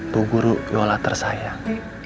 bu guru yola tersayang